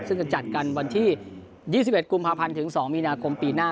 ซึ่งจะจัดกันวันที่๒๑กุมภาพันธ์ถึง๒มีนาคมปีหน้า